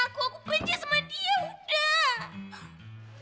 aku benci sama dia